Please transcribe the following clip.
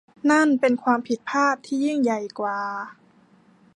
นั่นเป็นความผิดพลาดที่ยิ่งใหญ่กว่า